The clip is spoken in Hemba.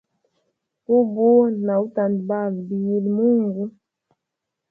Ubuwa na utandabala biyile mungu.